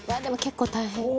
「でも結構大変」